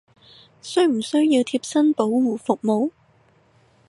需唔需要貼身保護服務！？